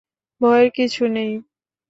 ভয়ের কিছু নেই!